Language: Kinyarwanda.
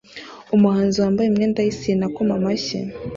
Umuhanzi wambaye imyenda yisine akoma amashyi